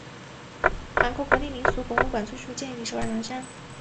韩国国立民俗博物馆最初建于首尔南山。